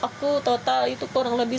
aku total itu kurang lebih